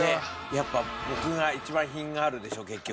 やっぱ僕が一番品があるでしょ結局。